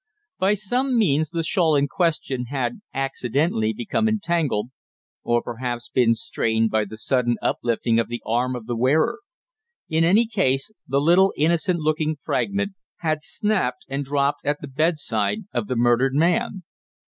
By some means the shawl in question had accidentally become entangled or perhaps been strained by the sudden uplifting of the arm of the wearer. In any case the little innocent looking fragment had snapped, and dropped at the bedside of the murdered man.